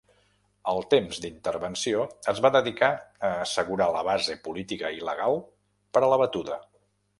El temps d'intervenció es va dedicar a assegurar la base política i legal per a la batuda.